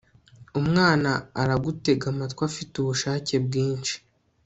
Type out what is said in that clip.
Umwana aragutega amatwi afite ubushake bwinshi